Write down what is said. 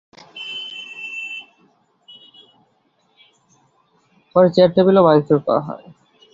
পরে চেয়ার টেবিলও ভাঙচুর করা হয়।